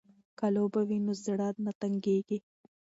که لوبه وي نو زړه نه تنګیږي.